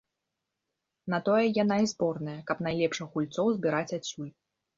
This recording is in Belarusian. На тое яна і зборная, каб найлепшых гульцоў збіраць адусюль.